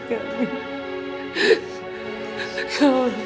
mama tenang ya